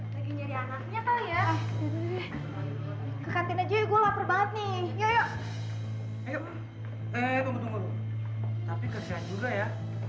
lagi jadi anaknya kali ya ke kantin aja gue laper banget nih yuk yuk tunggu tunggu tapi kerjaan juga ya